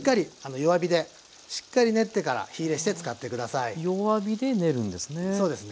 弱火で練るんですね。